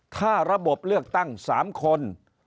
ถ้าระบบเลือกตั้ง๓คน